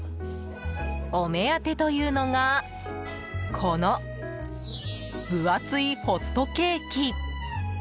お目当てというのがこの分厚いホットケーキ。